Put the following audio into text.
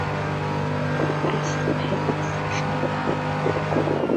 埃斯佩兰斯圣母堂。